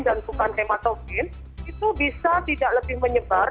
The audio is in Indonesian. dan bukan hematogen itu bisa tidak lebih menyebar